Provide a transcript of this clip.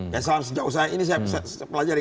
ya sejauh saya ini saya pelajari